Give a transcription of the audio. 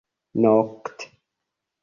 nokte